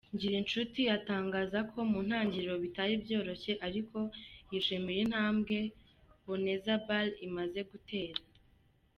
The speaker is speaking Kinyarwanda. Ngirinshuti atangaza ko mu ntangiriro bitari byoroshye ariko yishimira intambwe Boneza Ball imaze gutera.